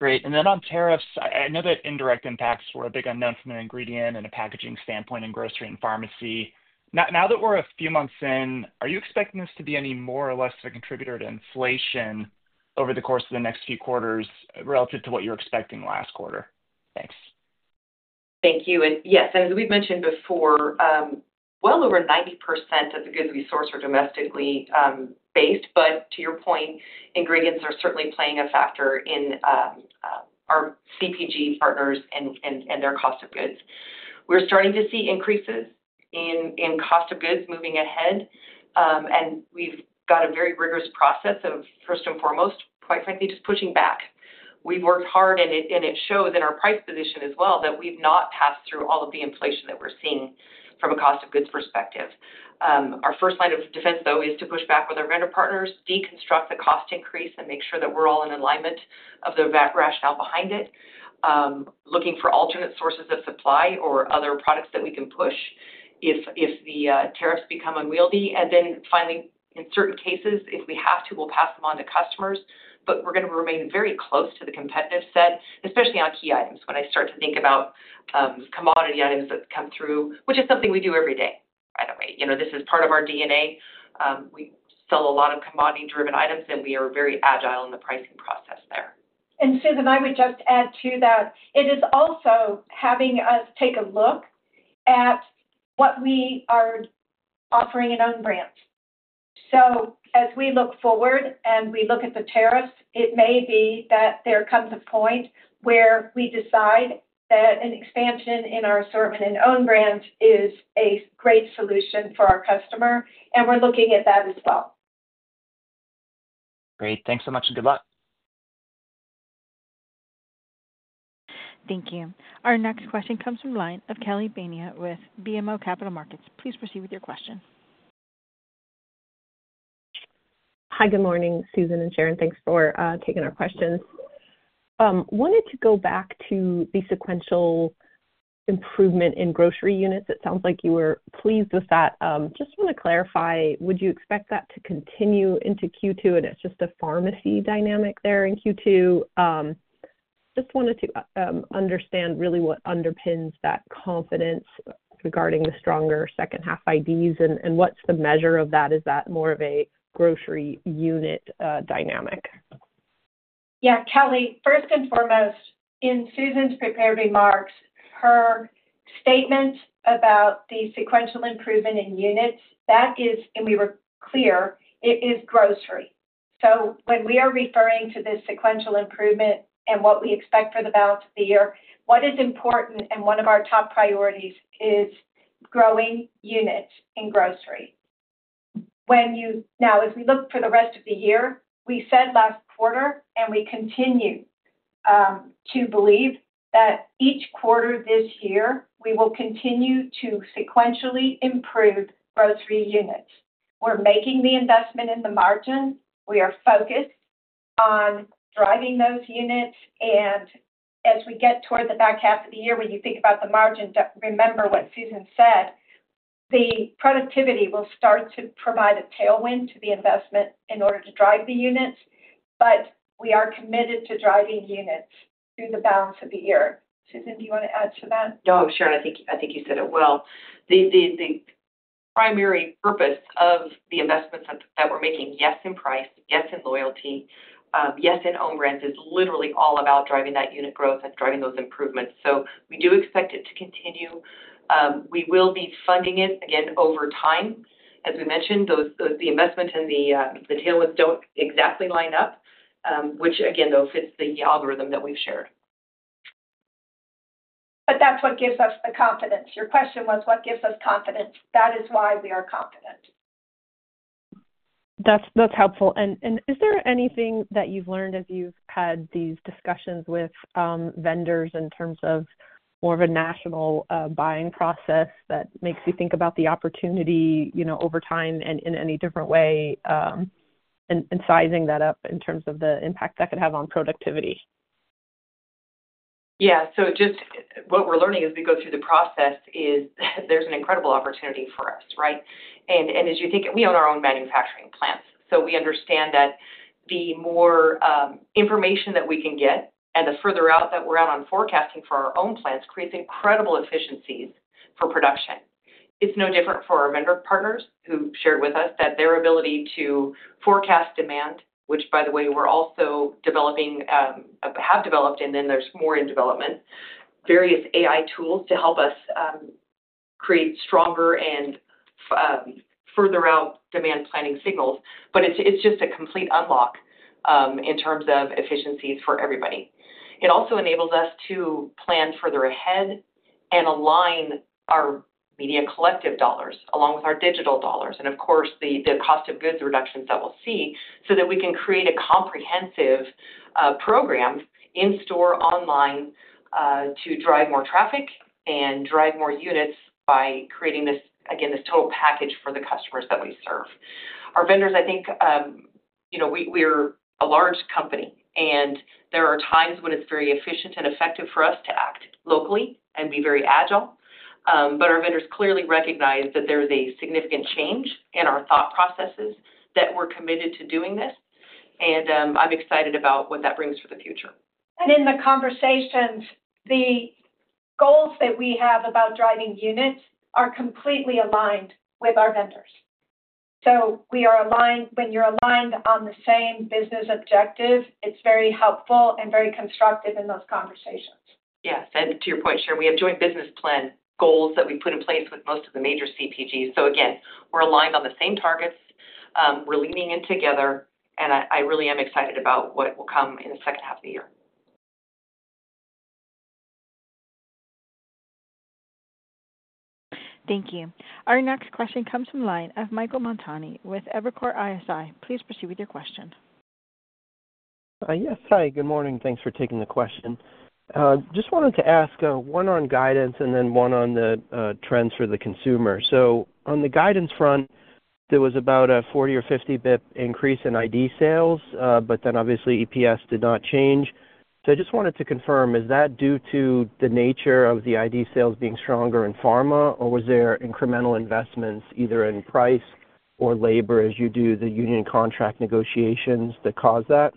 Great. On tariffs, I know that indirect impacts were a big unknown from an ingredient and a packaging standpoint in grocery and pharmacy. Now that we are a few months in, are you expecting this to be any more or less of a contributor to inflation over the course of the next few quarters relative to what you were expecting last quarter? Thanks. Thank you. Yes, as we've mentioned before, well over 90% of the goods we source are domestically based. To your point, ingredients are certainly playing a factor in our CPG partners and their cost of goods. We're starting to see increases in cost of goods moving ahead. We've got a very rigorous process of, first and foremost, quite frankly, just pushing back. We've worked hard, and it shows in our price position as well that we've not passed through all of the inflation that we're seeing from a cost of goods perspective. Our first line of defense, though, is to push back with our vendor partners, deconstruct the cost increase, and make sure that we're all in alignment of the rationale behind it. Looking for alternate sources of supply or other products that we can push if the tariffs become unwieldy. Finally, in certain cases, if we have to, we'll pass them on to customers. We're going to remain very close to the competitive set, especially on key items. When I start to think about commodity items that come through, which is something we do every day, by the way, this is part of our DNA. We sell a lot of commodity-driven items, and we are very agile in the pricing process there. Susan, I would just add to that. It is also having us take a look at what we are offering in own brands. As we look forward and we look at the tariffs, it may be that there comes a point where we decide that an expansion in our assortment in own brands is a great solution for our customer. We are looking at that as well. Great. Thanks so much and good luck. Thank you. Our next question comes from Kelly Bania with BMO Capital Markets. Please proceed with your question. Hi, good morning, Susan and Sharon. Thanks for taking our questions. Wanted to go back to the sequential improvement in grocery units. It sounds like you were pleased with that. Just want to clarify, would you expect that to continue into Q2? Is it just a pharmacy dynamic there in Q2? Just wanted to understand really what underpins that confidence regarding the stronger second-half IDs and what's the measure of that? Is that more of a grocery unit dynamic? Kelly, first and foremost, in Susan's prepared remarks, her statement about the sequential improvement in units, that is, and we were clear, it is grocery. When we are referring to this sequential improvement and what we expect for the balance of the year, what is important and one of our top priorities is growing units in grocery. Now, as we look for the rest of the year, we said last quarter, and we continue to believe that each quarter this year, we will continue to sequentially improve grocery units. We're making the investment in the margin. We are focused on driving those units. As we get toward the back half of the year, when you think about the margin, remember what Susan said, the productivity will start to provide a tailwind to the investment in order to drive the units. We are committed to driving units through the balance of the year. Susan, do you want to add to that? No, Sharon, I think you said it well. The primary purpose of the investments that we're making, yes, in price, yes, in loyalty, yes, in own brands, is literally all about driving that unit growth and driving those improvements. We do expect it to continue. We will be funding it, again, over time. As we mentioned, the investment and the tailwinds do not exactly line up, which, again, though, fits the algorithm that we've shared. That's what gives us the confidence. Your question was, what gives us confidence? That is why we are confident. That's helpful. Is there anything that you've learned as you've had these discussions with vendors in terms of more of a national buying process that makes you think about the opportunity over time and in any different way? Sizing that up in terms of the impact that could have on productivity? Just what we're learning as we go through the process is there's an incredible opportunity for us, right? As you think, we own our own manufacturing plants. We understand that the more information that we can get and the further out that we're out on forecasting for our own plants creates incredible efficiencies for production. It's no different for our vendor partners who shared with us that their ability to forecast demand, which, by the way, we're also developing. Have developed, and then there's more in development, various AI tools to help us create stronger and further out demand planning signals. It's just a complete unlock in terms of efficiencies for everybody. It also enables us to plan further ahead and align our Media Collective dollars along with our digital dollars and, of course, the cost of goods reductions that we'll see so that we can create a comprehensive program. In-store, online to drive more traffic and drive more units by creating, again, this total package for the customers that we serve. Our vendors, I think. We're a large company, and there are times when it's very efficient and effective for us to act locally and be very agile. Our vendors clearly recognize that there is a significant change in our thought processes that we're committed to doing this. I'm excited about what that brings for the future. In the conversations, the goals that we have about driving units are completely aligned with our vendors. When you're aligned on the same business objective, it's very helpful and very constructive in those conversations. Yes. To your point, sure, we have joint business plan goals that we have put in place with most of the major CPGs. Again, we are aligned on the same targets. We are leaning in together. I really am excited about what will come in the second half of the year. Thank you. Our next question comes from Michael Montani with Evercore ISI. Please proceed with your question. Yes. Hi. Good morning. Thanks for taking the question. Just wanted to ask one on guidance and then one on the trends for the consumer. On the guidance front, there was about a 40 or 50 basis point increase in ID sales, but then obviously EPS did not change. I just wanted to confirm, is that due to the nature of the ID sales being stronger in pharma, or was there incremental investments either in price or labor as you do the union contract negotiations that caused that?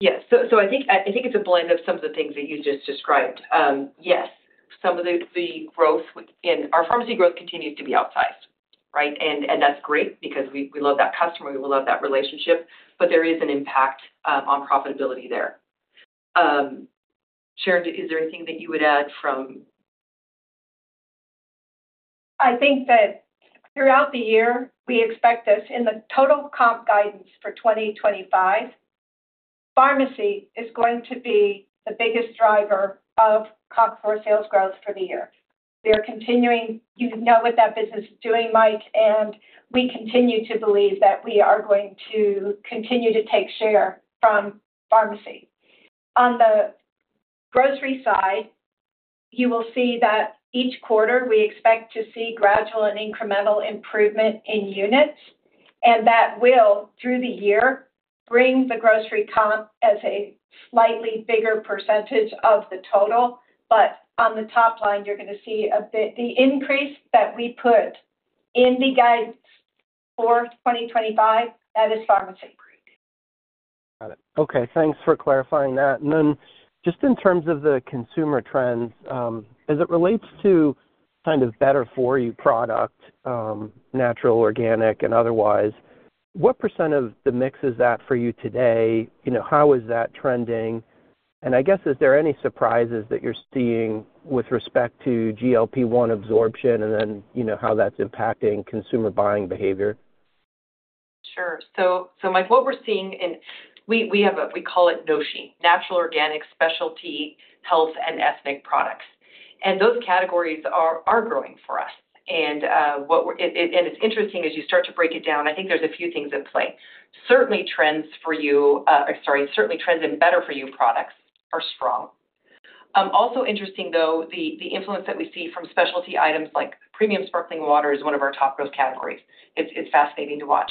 Yes. I think it's a blend of some of the things that you just described. Yes. Some of the growth in our pharmacy growth continues to be outsized, right? That's great because we love that customer. We love that relationship. There is an impact on profitability there. Sharon, is there anything that you would add from? I think that throughout the year, we expect this in the total comp guidance for 2025. Pharmacy is going to be the biggest driver of comp for sales growth for the year. They're continuing—you know what that business is doing, Mike—and we continue to believe that we are going to continue to take share from pharmacy. On the grocery side, you will see that each quarter we expect to see gradual and incremental improvement in units. That will, through the year, bring the grocery comp as a slightly bigger percentage of the total. On the top line, you're going to see the increase that we put in the guidance for 2025, that is pharmacy. Got it. Okay. Thanks for clarifying that. In terms of the consumer trends, as it relates to kind of better-for-you product, natural, organic, and otherwise, what % of the mix is that for you today? How is that trending? I guess, is there any surprises that you're seeing with respect to GLP-1 absorption and then how that's impacting consumer buying behavior? Sure. Mike, what we're seeing—and we call it NOSHI, Natural, Organic, Specialty, Health, and Ethnic Products. Those categories are growing for us. It's interesting as you start to break it down, I think there's a few things at play. Certainly, trends for you—sorry, certainly trends in better-for-you products—are strong. Also interesting, though, the influence that we see from specialty items like premium sparkling water is one of our top growth categories. It's fascinating to watch.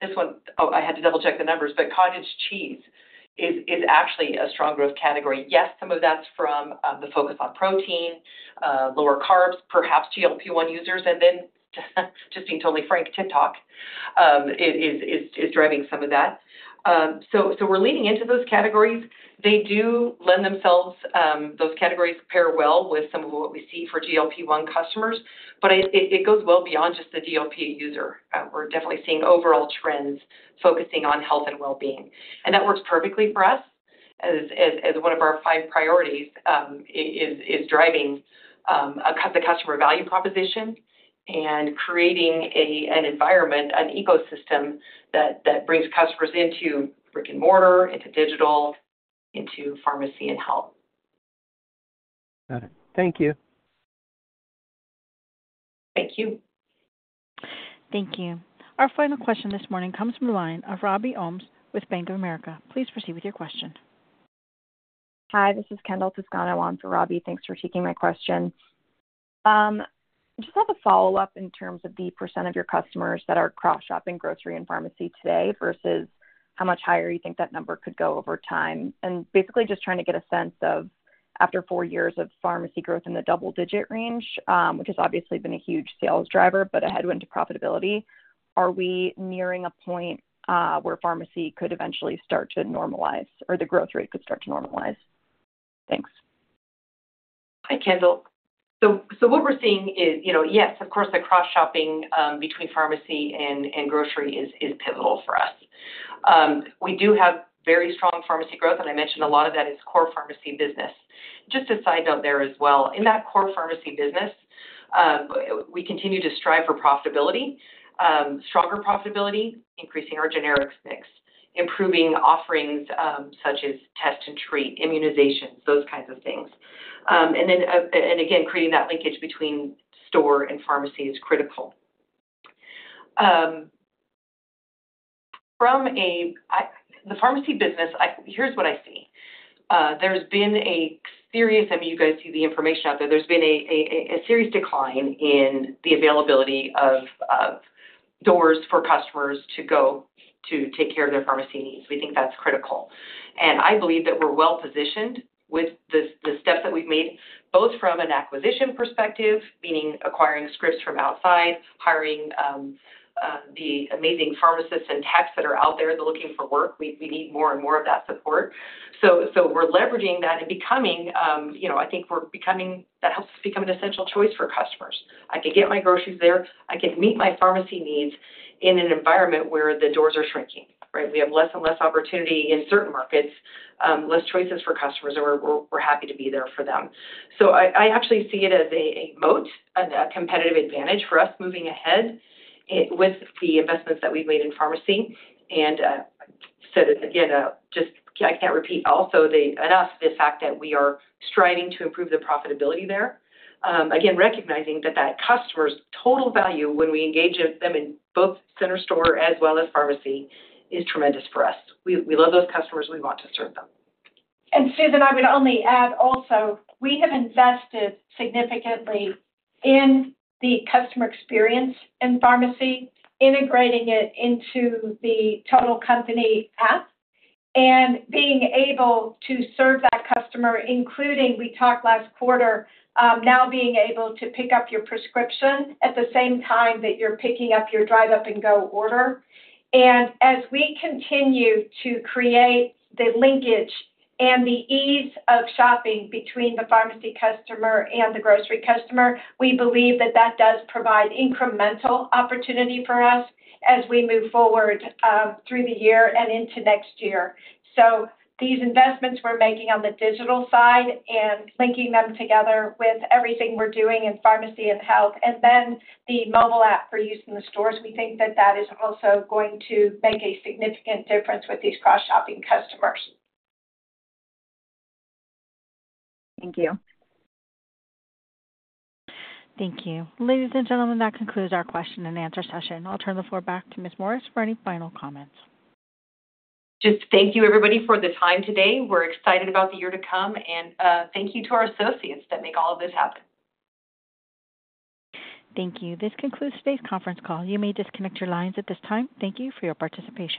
This one—oh, I had to double-check the numbers—but cottage cheese is actually a strong growth category. Yes, some of that's from the focus on protein, lower carbs, perhaps GLP-1 users. Just being totally frank, TikTok is driving some of that. We're leaning into those categories. They do lend themselves—those categories pair well with some of what we see for GLP-1 customers. It goes well beyond just the GLP user. We're definitely seeing overall trends focusing on health and well-being. That works perfectly for us, as one of our five priorities is driving the customer value proposition and creating an environment, an ecosystem that brings customers into brick and mortar, into digital, into pharmacy and health. Got it. Thank you. Thank you. Thank you. Our final question this morning comes from the line of Robby Ohmes with Bank of America. Please proceed with your question. Hi, this is Kendall Toscano. I want to Robbie. Thanks for taking my question. Just have a follow-up in terms of the % of your customers that are cross-shopping grocery and pharmacy today versus how much higher you think that number could go over time. Basically, just trying to get a sense of, after four years of pharmacy growth in the double-digit range, which has obviously been a huge sales driver, but a headwind to profitability, are we nearing a point where pharmacy could eventually start to normalize or the growth rate could start to normalize? Thanks. Hi, Kendall. What we're seeing is, yes, of course, the cross-shopping between pharmacy and grocery is pivotal for us. We do have very strong pharmacy growth. I mentioned a lot of that is core pharmacy business. Just a side note there as well. In that core pharmacy business, we continue to strive for profitability, stronger profitability, increasing our generics mix, improving offerings such as test and treat, immunizations, those kinds of things. Again, creating that linkage between store and pharmacy is critical. The pharmacy business, here's what I see. There's been a serious—I mean, you guys see the information out there—there's been a serious decline in the availability of doors for customers to go to take care of their pharmacy needs. We think that's critical. I believe that we're well-positioned with the steps that we've made, both from an acquisition perspective, meaning acquiring scripts from outside, hiring the amazing pharmacists and techs that are out there looking for work. We need more and more of that support. We're leveraging that and becoming—I think we're becoming—that helps us become an essential choice for customers. I can get my groceries there. I can meet my pharmacy needs in an environment where the doors are shrinking, right? We have less and less opportunity in certain markets, less choices for customers, and we're happy to be there for them. I actually see it as a moat and a competitive advantage for us moving ahead. With the investments that we've made in pharmacy. I can't repeat also enough the fact that we are striving to improve the profitability there. Again, recognizing that that customer's total value when we engage them in both center store as well as pharmacy is tremendous for us. We love those customers. We want to serve them. Susan, I would only add also, we have invested significantly in the customer experience in pharmacy, integrating it into the total company app, and being able to serve that customer, including we talked last quarter, now being able to pick up your prescription at the same time that you're picking up your drive-up and go order. As we continue to create the linkage and the ease of shopping between the pharmacy customer and the grocery customer, we believe that that does provide incremental opportunity for us as we move forward through the year and into next year. These investments we're making on the digital side and linking them together with everything we're doing in pharmacy and health, and then the mobile app for use in the stores, we think that that is also going to make a significant difference with these cross-shopping customers. Thank you. Thank you. Ladies and gentlemen, that concludes our question and answer session. I'll turn the floor back to Ms. Morris for any final comments. Just thank you, everybody, for the time today. We are excited about the year to come. Thank you to our associates that make all of this happen. Thank you. This concludes today's conference call. You may disconnect your lines at this time. Thank you for your participation.